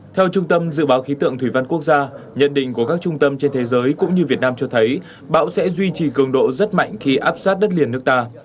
theo trung tâm dự báo khí tượng thủy văn quốc gia nhận định của các trung tâm trên thế giới cũng như việt nam cho thấy bão sẽ duy trì cường độ rất mạnh khi áp sát đất liền nước ta